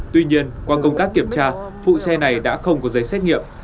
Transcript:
tuy nhiên qua công tác kiểm tra phụ xe này đã không có giấy xét nghiệm